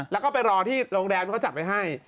แล้วก็ไปรอที่โรงแรมเขาจัดไปให้